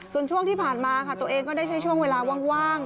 ส่วนช่วงที่ผ่านมาค่ะตัวเองก็ได้ใช้ช่วงเวลาว่าง